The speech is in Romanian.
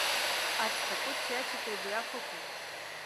Ați făcut ceea ce trebuia făcut.